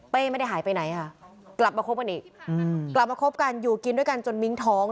ไม่ได้หายไปไหนค่ะกลับมาคบกันอีกกลับมาคบกันอยู่กินด้วยกันจนมิ้งท้อง